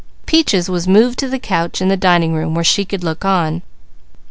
Peaches was moved to the couch in the dining room where she could look on.